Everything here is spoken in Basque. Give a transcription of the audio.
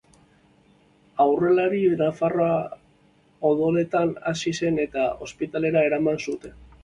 Aurrelari nafarra odoletan hasi zen eta ospitalera eraman zuten.